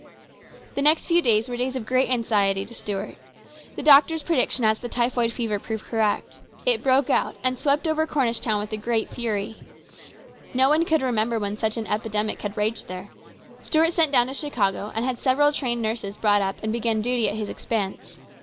The next few days were days of great anxiety to Stuart. The doctor's predictions as to the typhoid fever proved correct. It broke out and swept over COMPLICATIONS. 209 Cornish town with great fury. No one could remember when such an epidemic had raged there. Stuart sent down to Chicago and had several trained nurses brought up and begin duty at his expense.